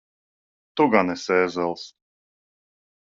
Tu gan esi ēzelis!